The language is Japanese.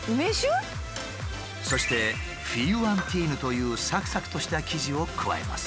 そしてフィユアンティーヌというサクサクとした生地を加えます。